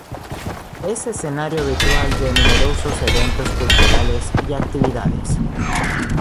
Es escenario habitual de numerosos eventos culturales y actividades.